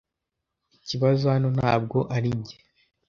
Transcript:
Ikibazo hano ntabwo arinjye .